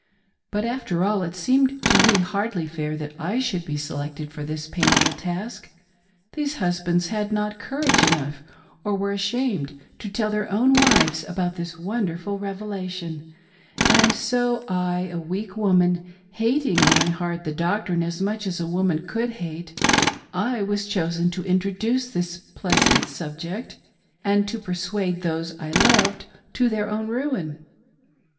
But, after i46 "l HESITATED STILL." all it seemed to me hardly fair that I should be selected for this painful task. These husbands had not courage enough, or were ashamed, to tell their own wives about this wonderful Revela tion ; and so I, a weak woman, hating in my heart the doctrine as much as a woman could hate —/ was chosen to introduce this pleasant subject, and to persuade those I loved to their own ruin.